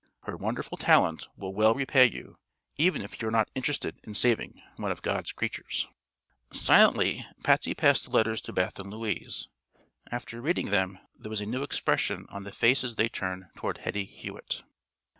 Her wonderful talent will well repay you, even if you are not interested in saving one of God's creatures." Silently Patsy passed the letters to Beth and Louise. After reading them there was a new expression on the faces they turned toward Hetty Hewitt.